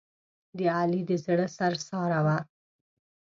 د علي د زړه سر ساره ده.